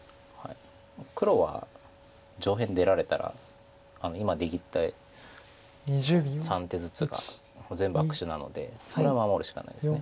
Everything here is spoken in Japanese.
黒は上辺出られたら今出切った３手ずつが全部悪手なのでこれは守るしかないです。